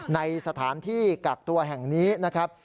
ในสถานที่กักตัวแห่งนี้นะครับ